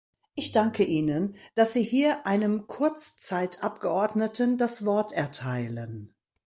Ich danke Ihnen, dass Sie hier einem Kurzzeitabgeordneten das Wort erteilen.